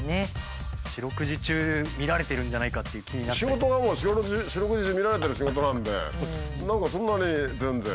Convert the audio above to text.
仕事がもう四六時中見られてる仕事なんで何かそんなに全然。